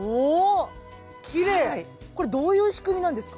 これどういう仕組みなんですか？